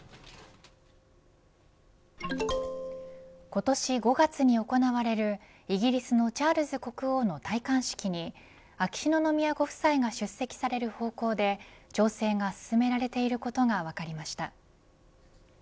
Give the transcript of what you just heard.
今年５月に行われるイギリスのチャールズ国王の戴冠式に秋篠宮ご夫妻が出席される方向で調整が進められていることが分かりました。